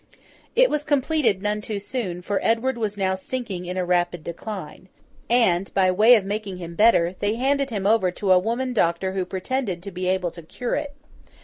It was completed none too soon; for Edward was now sinking in a rapid decline; and, by way of making him better, they handed him over to a woman doctor who pretended to be able to cure it.